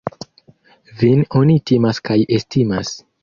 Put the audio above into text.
Vin oni timas kaj estimas.